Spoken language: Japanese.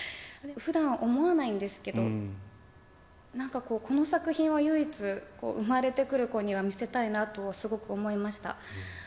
ふだん思わないんですけど、なんかこの作品は唯一、産まれてくる子には見せたいなとすごく思いました。